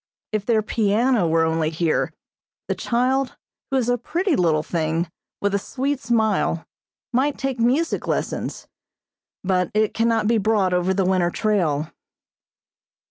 If their piano were only here, the child, who is a pretty little thing, with a sweet smile, might take music lessons, but it cannot be brought over the winter trail.